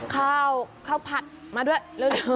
ข้าวข้าวผัดมาด้วยเร็ว